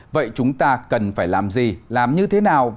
vậy chúng ta cần phải làm gì làm như thế nào